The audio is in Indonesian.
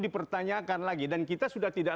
dipertanyakan lagi dan kita sudah tidak